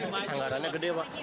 pengaruhannya gede pak